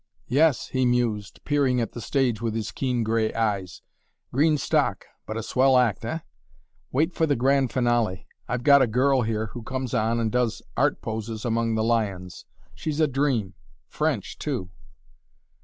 "Yes," he mused, peering at the stage with his keen gray eyes; "green stock, but a swell act, eh? Wait for the grand finale. I've got a girl here who comes on and does art poses among the lions; she's a dream French, too!"